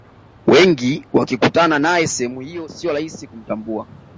wengi wakikutana nae sehemu hiyo siyo rahisi kumtambua